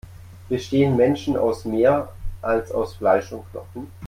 Bestehen Menschen aus mehr, als aus Fleisch und Knochen?